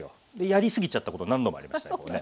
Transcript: やりすぎちゃったこと何度もありましたけどね。